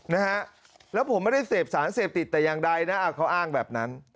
นะฮะแล้วผมไม่ได้เสพสารเสพติดแต่อย่างใดนะเขาอ้างแบบนั้น